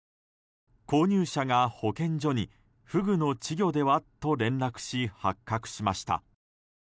購入者が保健所にフグの稚魚では？と連絡し発覚しました。